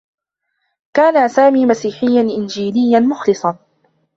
كان سامي مسيحيّا إنجيليّا مخلصا.